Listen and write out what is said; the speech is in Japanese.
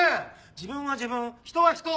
自分は自分人は人。